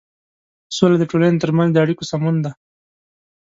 سوله د ټولنې تر منځ د اړيکو سمون دی.